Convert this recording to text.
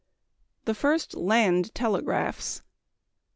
_The First Land Telegraphs.